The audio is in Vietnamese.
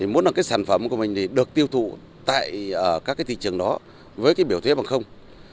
muốn sản phẩm của mình được tiêu thụ tại các thị trường đó với biểu thuyết bằng không